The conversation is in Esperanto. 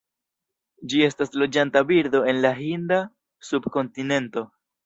Ĝi estas loĝanta birdo en la Hinda subkontinento.